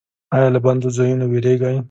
ایا له بندو ځایونو ویریږئ؟